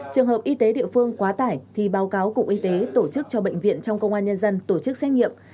trường hợp y tế địa phương quá tải thì báo cáo cục y tế tổ chức cho bệnh viện trong công an nhân dân tổ chức xét nghiệm